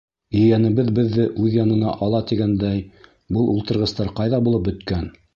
Ейәнебеҙ беҙҙе үҙ янына ала тигәндәй, был ултырғыстар ҡайҙа булып бөткән?